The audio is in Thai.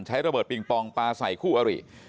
ระเบิดปิงปองปลาใส่คู่อริ